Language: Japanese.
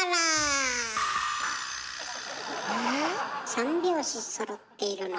三拍子そろっているの。